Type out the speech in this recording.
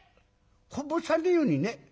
こぼさねえようにね。